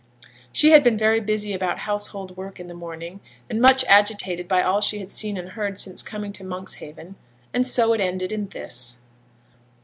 She had been very busy about household work in the morning, and much agitated by all she had seen and heard since coming into Monkshaven; and so it ended in this.